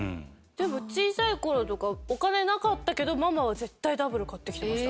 でも小さい頃とかお金なかったけどママは絶対ダブル買ってきてました。